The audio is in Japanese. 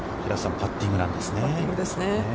パッティングですね。